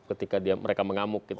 ketika dia mereka mengamuk gitu ya